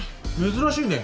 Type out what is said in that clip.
珍しいね。